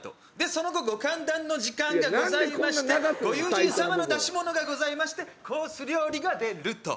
そしてご歓談の時間がございましてご友人様の出し物がございましてコース料理が出ると。